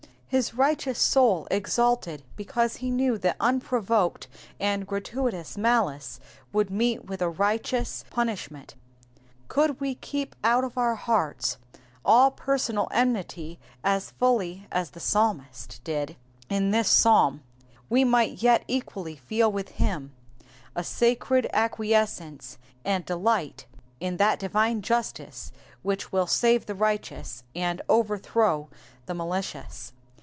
His righteous soul exulted because he kneW t^hat unprovoked and gratuitous malice would meet with a righteous punishment. Could we keep out of our hearts all personal enmity as fully as the psalmist' did in this Psalm, we might yet equally feel with him a sacred acquiescence and delight in that divine justice which will save the righteous and overthrow the malicious.